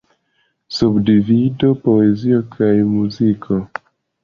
Subdivido: Poezio kaj muziko.